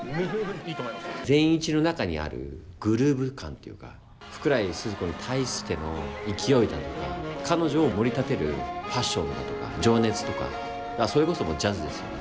善一の中にあるグルーヴ感というか福来スズ子に対しての勢いだとか彼女をもり立てるパッションだとか情熱とかそれこそジャズですよね